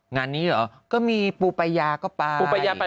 งานนี้เหรอก็มีปุปายาก็ไป